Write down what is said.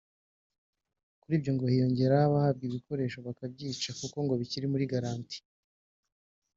Kuri ibyo ngo hiyongeraho abahabwa ibikoresho bakabyica kuko bikiri muri garanti